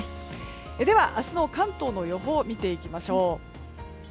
では、明日の関東の予報を見ていきましょう。